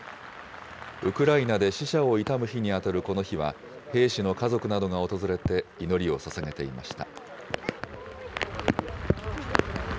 ウクライナで死者を悼む日に当たるこの日は、兵士の家族などが訪れて、祈りをささげていました。